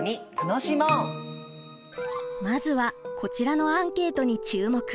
まずはこちらのアンケートに注目！